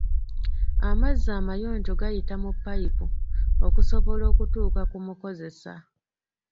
Amazzi amayonjo gayita mu payipu okusobola okutuuka ku mukozesa.